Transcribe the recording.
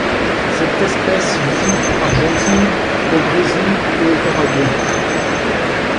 Cette espèce vit Argentine, au Brésil et au Paraguay.